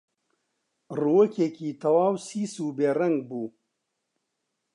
ڕووەکێکی تەواو سیس و بێڕەنگ بوو